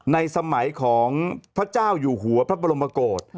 ในสมัยของพระเจ้าอยู่หัวพระบรมโกศ